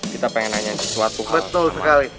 kita pengen nanya sesuatu betul sekali